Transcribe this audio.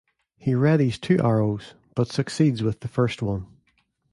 He readies two arrows, but succeeds with the first one.